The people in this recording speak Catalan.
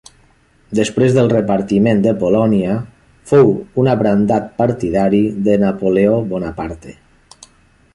Després del Repartiment de Polònia, fou un abrandat partidari de Napoleó Bonaparte.